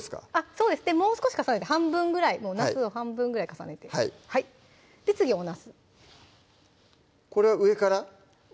そうですもう少し重ねて半分ぐらいなすの半分ぐらい重ねて次おなすこれは上から？